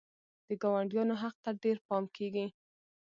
د ګاونډیانو حق ته ډېر پام کیږي.